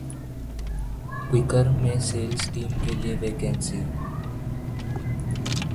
Quikr में sales team के लिए वैकेंसी